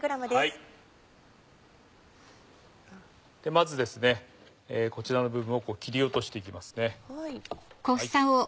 まずですねこちらの部分をこう切り落としていきますね。